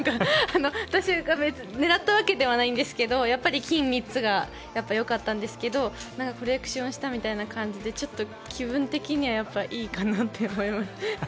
私が別に狙ったわけではないんですが金３つがやっぱりよかったんですがコレクションしたみたいな感じでちょっと気分的にはいいかなって思います。